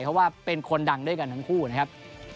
เพราะว่าเป็นคนดังด้วยกันทั้งคู่นะครับ